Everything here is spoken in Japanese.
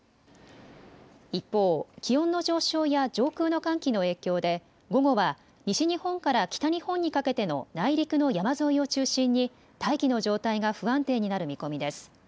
一方、気温の上昇や上空の寒気の影響で午後は西日本から北日本にかけての内陸の山沿いを中心に大気の状態が不安定になる見込みです。